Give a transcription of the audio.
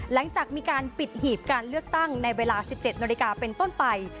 หลังจากมีการปิดหีบการเลือกตั้งในเวลา๑๗นาฬิกาเป็นต้นไป